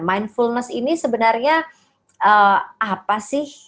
mindfulness ini sebenarnya apa sih